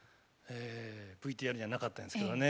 ＶＴＲにはなかったんですけどね